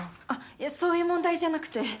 あっいやそういう問題じゃなくて。